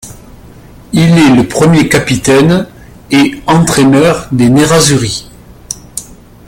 Il est le premier capitaine et entraîneur des nerrazuri.